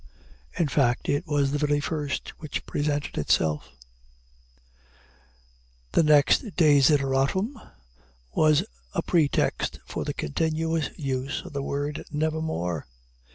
In fact, it was the very first which presented itself. The next desideratum was a pretext for the continuous use of the one word "nevermore."